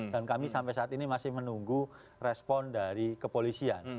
dan kami sampai saat ini masih menunggu respon dari kepolisian